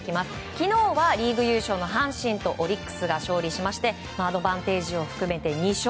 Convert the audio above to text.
昨日はリーグ優勝の阪神とオリックスが勝利しましてアドバンテージを含めて２勝。